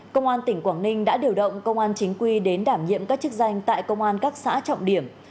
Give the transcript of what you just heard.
công an tỉnh quảng ninh đã điều động công an chính quy đến đảm nhiệm các chức danh tại công an các xã trọng điểm